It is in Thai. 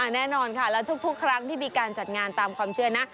แน่นอนค่ะแล้วทุกครั้งที่มีการจัดงานตามความเชื่อนะ